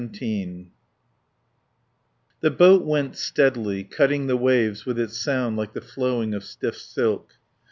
XVII The boat went steadily, cutting the waves with its sound like the flowing of stiff silk.